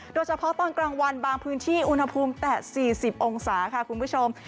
โดยเฉพาะตอนกลางวันบางพื้นที่อุณหภูมิแต่๔๐องศาค่ะคุณผู้ชม